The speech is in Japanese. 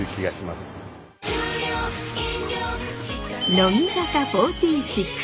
乃木坂４６。